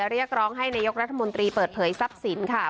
เรียกร้องให้นายกรัฐมนตรีเปิดเผยทรัพย์สินค่ะ